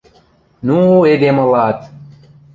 Ну, эдем ылат!..